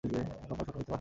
লম্বায় ছোট হতে পারে।